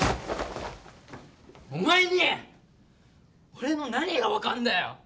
お前に俺の何が分かんだよ！